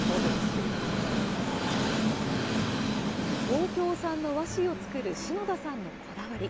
東京産の和紙を作る篠田さんのこだわり。